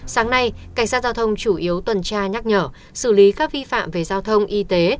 sáng nay cảnh sát giao thông chủ yếu tuần tra nhắc nhở xử lý các vi phạm về giao thông y tế